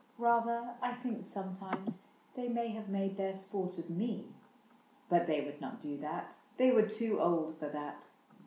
Rather I think sometimes they may have made I02 ISAAC AND ARCHIBALD Their sport of me ;— but they would not do that, They were too old for that.